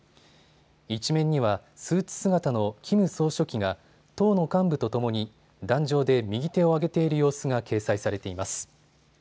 一面にはスーツ姿のキム総書記が党の幹部とともに壇上で右手を挙げている様子が掲載されています。